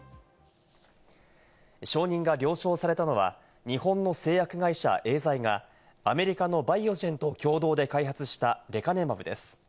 承認が了承されたのは、日本の製薬会社エーザイがアメリカのバイオジェンと共同で開発したレカネマブです。